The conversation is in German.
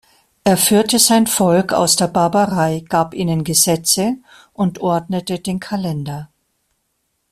Er führte sein Volk aus der Barbarei, gab ihnen Gesetze und ordnete den Kalender.